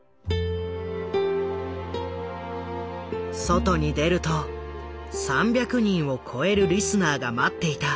外に出ると３００人を超えるリスナーが待っていた。